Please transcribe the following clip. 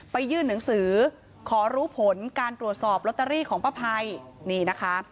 ยื่นหนังสือขอรู้ผลการตรวจสอบลอตเตอรี่ของป้าภัยนี่นะคะ